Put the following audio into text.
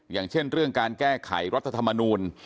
อย่างเช่นเรื่องการแก้ไขรัฐธรรมนูล